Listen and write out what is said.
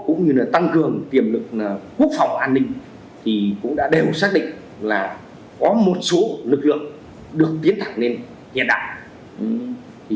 cũng như là tăng cường tiềm lực quốc phòng an ninh thì cũng đã đều xác định là có một số lực lượng được tiến thẳng lên nhà